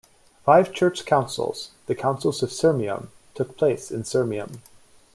Five church councils, the Councils of Sirmium, took place in Sirmium.